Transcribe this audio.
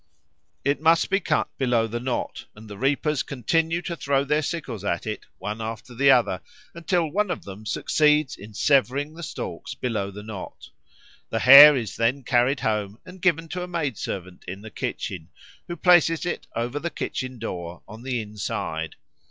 It must be cut below the knot, and the reapers continue to throw their sickles at it, one after the other, until one of them succeeds in severing the stalks below the knot. The Hare is then carried home and given to a maidservant in the kitchen, who places it over the kitchen door on the inside.